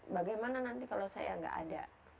bagaimana nanti kalau saya nggak ada